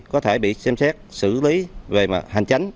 có thể bị xem xét xử lý về hành tránh